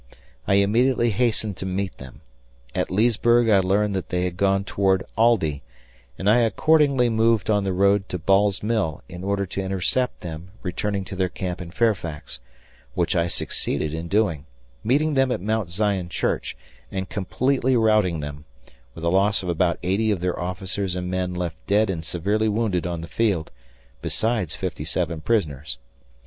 I immediately hastened to meet them. At Leesburg I learned that they had gone toward Aldie, and I accordingly moved on the road to Ball's Mill in order to intercept them returning to their camp in Fairfax, which I succeeded in doing, meeting them at Mount Zion Church, and completely routing them, with a loss of about 80 of their officers and men left dead and severely wounded on the field, besides 57 prisoners.